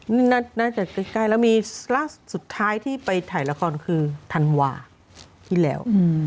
น่าจะใกล้แล้วมีล่าสุดสุดท้ายที่ไปถ่ายละครคือธันวาที่แล้ว